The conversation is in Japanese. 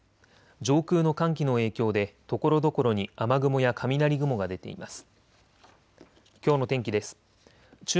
上空の寒気の影響でところどころに雨雲や雷雲が出ています。